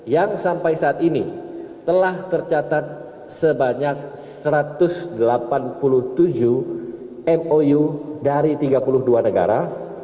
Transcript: yang sampai saat ini telah tercatat sebanyak satu ratus delapan puluh tujuh mou dari tiga puluh dua negara